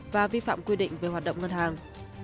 và vi phạm quy định về hoạt động ngân hàng